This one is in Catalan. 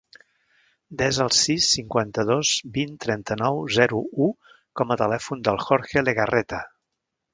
Desa el sis, cinquanta-dos, vint, trenta-nou, zero, u com a telèfon del Jorge Legarreta.